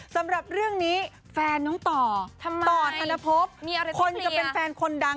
สำหรับเรื่องนี้แฟนน้องต่อต่อธนภพคนจะเป็นแฟนคนดัง